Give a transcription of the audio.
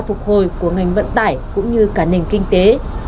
phục hồi của ngành vận tải cũng như cả nền kinh tế